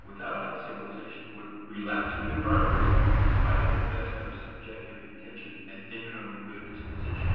Without it, civilization would relapse into barbarism in spite of the best of subjective intention and internal good disposition.